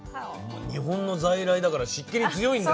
日本の在来だから湿気に強いんだ。